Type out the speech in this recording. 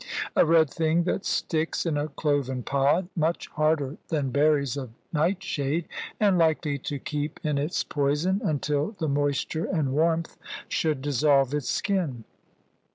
A red thing that sticks in a cloven pod, much harder than berries of nightshade, and likely to keep in its poison until the moisture and warmth should dissolve its skin.